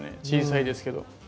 小さいですけど。